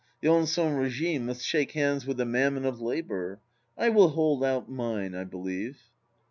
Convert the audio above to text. The Ancien Bigime must shake hands with the Mammon of Labour. I will hold out mine, I believe.